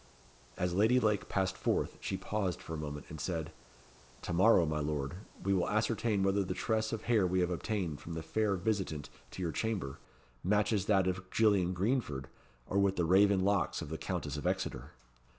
As Lady Lake passed forth, she paused for a moment, and said "To morrow, my Lord, we will ascertain whether the tress of hair we have obtained from the fair visitant to your chamber, matches with that of Gillian Greenford or with the raven locks of the Countess of Exeter."